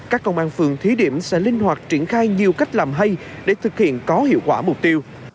các công an phường thí điểm sẽ linh hoạt triển khai nhiều cách làm hay để thực hiện có hiệu quả mục tiêu